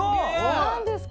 何ですか？